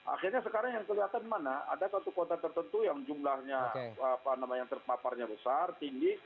akhirnya sekarang yang kelihatan mana ada satu kota tertentu yang jumlahnya terpaparnya besar tinggi